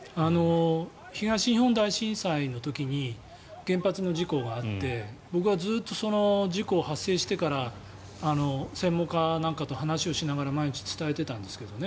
東日本大震災の時に原発の事故があって僕はずっとその事故が発生してから専門家なんかと話をしながら毎日伝えてたんですけどね